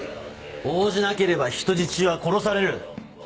応じなければ人質は殺される。